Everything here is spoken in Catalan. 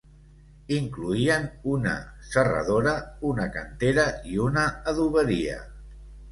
Incloïen una serradora, una cantera i una adoberia.